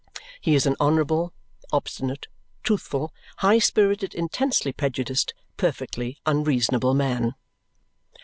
He is an honourable, obstinate, truthful, high spirited, intensely prejudiced, perfectly unreasonable man.